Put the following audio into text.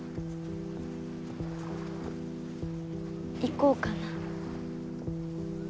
行こうかな。